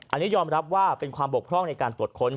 อันนี้ยอมรับว่าเป็นความบกพร่องในการตรวจค้น